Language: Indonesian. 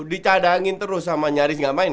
dicadangin terus sama nyaris gak makin